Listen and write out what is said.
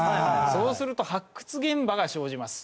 そうすると発掘現場が生じます。